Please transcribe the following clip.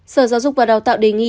sở giáo dục và đào tạo đề nghị